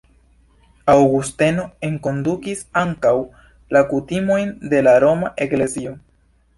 Aŭgusteno enkondukis ankaŭ la kutimojn de la roma eklezio.